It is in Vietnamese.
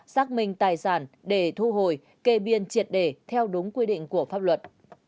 xác minh tài sản để thu hồi kê biên triệt để theo đúng quy định của pháp luật